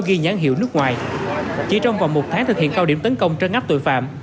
ghi nhãn hiệu nước ngoài chỉ trong vòng một tháng thực hiện cao điểm tấn công trân ngắp tội phạm